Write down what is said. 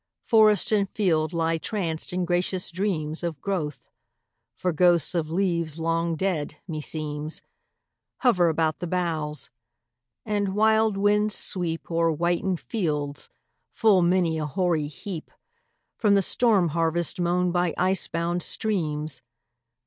Forest and field lie tranced in gracious dreams Of growth, for ghosts of leaves long dead, me seems, Hover about the boughs; and wild winds sweep O'er whitened fields full many a hoary heap From the storm harvest mown by ice bound streams!